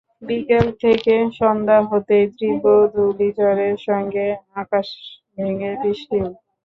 বিকেল থেকে সন্ধ্যা হতেই তীব্র ধূলি ঝড়ের সঙ্গে আকাশ ভেঙে বৃষ্টি এল।